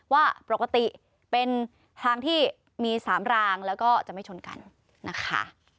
ว่าปกติเป็นทางที่มี๓รางแล้วก็จะไม่ชนกันนะคะ